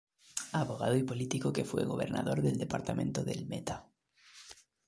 Abogado y Político que fue gobernador del departamento del Meta.